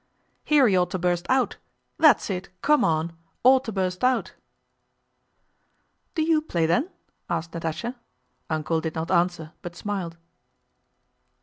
"Here he ought to burst out—that's it, come on!—ought to burst out." "Do you play then?" asked Natásha. "Uncle" did not answer, but smiled.